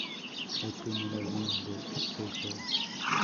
El primer álbum de The Go!